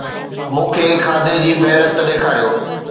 مون کي کاڌي جي فهرست ڏيکاريو